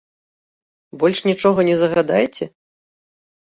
Больш нічога не загадаеце?